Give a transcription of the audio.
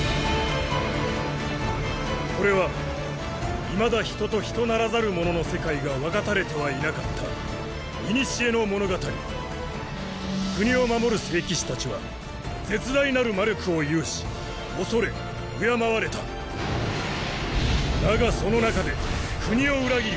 これはいまだ人と人ならざるものの世界が分かたれてはいなかった古の物語国を守る聖騎士たちは絶大なる魔力を有し恐れ敬われただがその中で国を裏切り